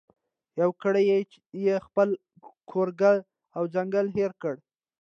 یو ګړی یې خپل کورګی او ځنګل هېر کړ